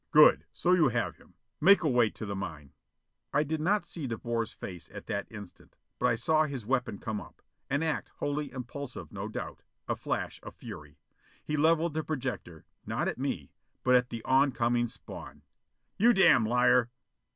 "Good! So you have him! Make away to the mine!" I did not see De Boer's face at that instant. But I saw his weapon come up an act wholly impulsive, no doubt. A flash of fury! He levelled the projector, not at me, but at the on coming Spawn. "You damn liar!"